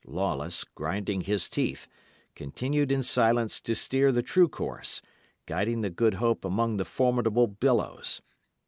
Lawless, grinding his teeth, continued in silence to steer the true course, guiding the Good Hope among the formidable billows.